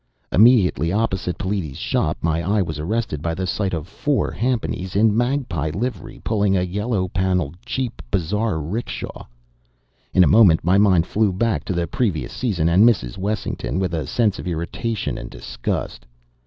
Immediately opposite Peliti's shop my eye was arrested by the sight of four jhampanies in "magpie" livery, pulling a yellow paneled, cheap, bazar 'rickshaw. In a moment my mind flew back to the previous season and Mrs. Wessington with a sense of irritation and disgust.